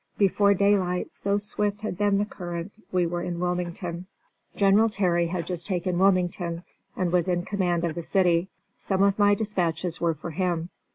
Before daylight, so swift had been the current, we were in Wilmington. General Terry had just taken Wilmington and was in command of the city. Some of my dispatches were for him.